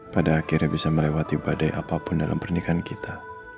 pada akhirnya bisa melewati badai apapun dalam pernikahan kita